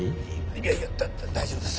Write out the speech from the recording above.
いやいやだだ大丈夫です。